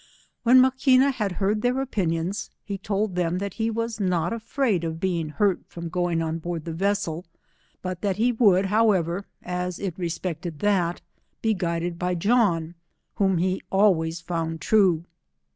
When Maquina had heard their opinions, he told them that he was not afraid of being hurt from going oa board the vessel, but that he would, however, as it respected that, be guided by John, whom he had always found true.